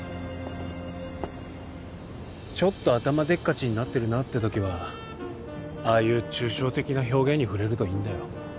ちょっと頭でっかちになってるなって時はああいう抽象的な表現に触れるといいんだよ